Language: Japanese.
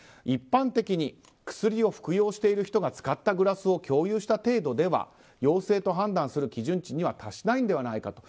一般的に薬を服用している人が使ったグラスを共有した程度では陽性と判断する基準値には達しないのではないか。